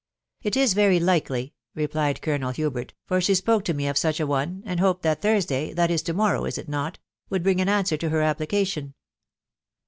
*" It is very likely;" Tepnefl Colonel Hubert, * for she spoke to me of such a one, and hoped that Thursday .... that is to morrow, is it not? would bring an answer to "her application."